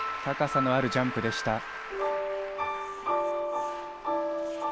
高さのあるジャンプでした。